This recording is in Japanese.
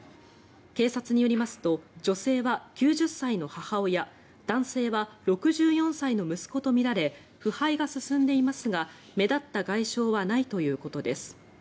警察によりますと女性は９０歳の母親男性は６４歳の息子とみられ腐敗が進んでいますが目立った外傷はないということです。